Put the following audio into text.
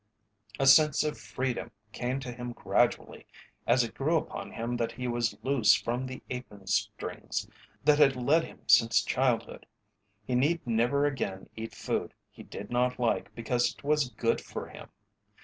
A sense of freedom came to him gradually as it grew upon him that he was loose from the apron strings that had led him since childhood. He need never again eat food he did not like because it was "good for him."